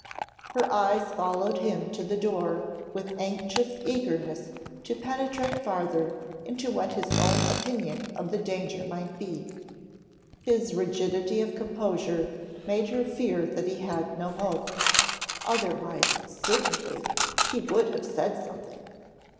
Her eyes followed him to the door with anxious eagerness to penetrate farther into what his own opinion of the danger might be. His rigidity of composure made her fear that he had no hope, "otherwise certainly he would have said something."